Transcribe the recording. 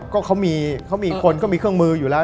ก็เขามีคนเขามีเครื่องมืออยู่แล้ว